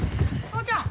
お父ちゃん！